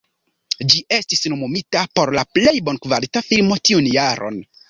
Ĝi estis nomumita por la Plej Bonkvalita Filmo tiun jaron.